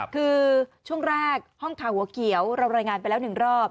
คือช่วงแรกห้องข่าวหัวเขียวเรารายงานไปแล้ว๑รอบ